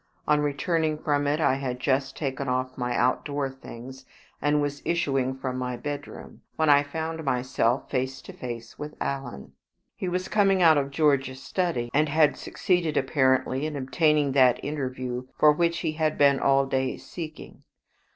On returning from it, I had just taken off my outdoor things, and was issuing from my bedroom, when I found myself face to face with Alan. He was coming out of George's study, and had succeeded apparently in obtaining that interview for which he had been all day seeking.